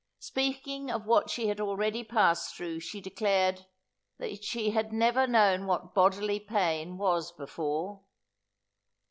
Speaking of what she had already passed through, she declared, "that she had never known what bodily pain was before."